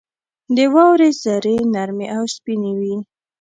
• د واورې ذرې نرمې او سپینې وي.